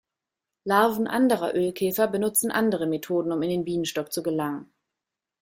Larven anderer Ölkäfer benutzen andere Methoden, um in den Bienenstock zu gelangen.